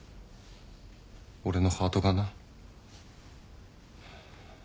俺のハートがな。